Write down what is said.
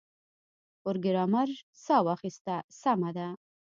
پروګرامر ساه واخیسته سمه ده